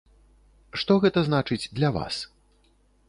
Што гэта значыць для вас?